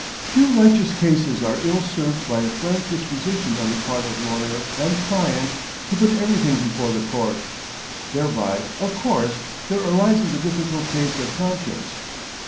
Few righteous cases are ill served by a frank disposition on the part of lawyer and client to put everything before the court. Thereby of course there arises a difficult case of conscience.